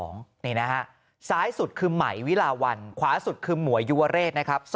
นี่นะฮะซ้ายสุดคือไหมวิลาวันขวาสุดคือหมวยยุวเรศนะครับ